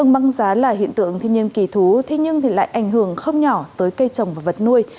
băng giá là hiện tượng thiên nhiên kỳ thú thế nhưng lại ảnh hưởng không nhỏ tới cây trồng và vật nuôi